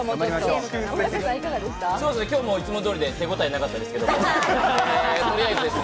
今日もいつも通りで、手応えがなかったです。